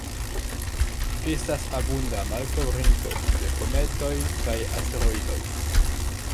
Li estas abunda malkovrinto de kometoj kaj asteroidoj.